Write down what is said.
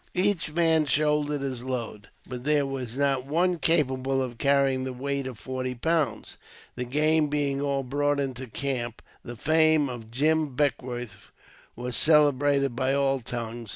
Each man shouldered his load; but there was not one capable of carrying the weight of forty pounds. The game being all brought into camp, the fame of " Jim Beckwourth " was celebrated by all tongues.